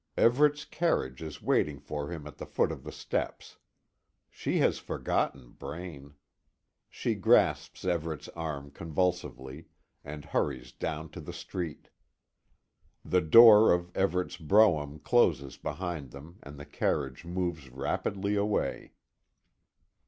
Everet's carriage is waiting for him at the foot of the steps. She has forgotten Braine. She grasps Everet's arm convulsively, and hurries down to the street. The door of Everet's brougham closes behind them and the carriage moves rapidly away.